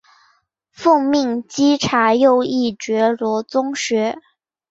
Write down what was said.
奉命稽查右翼觉罗宗学。